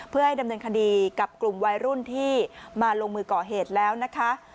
เพื่อให้ดำเนินคดีกับกลุ่มวัยรุ่นที่มาลงมือก่อเหตุแล้วนะคะ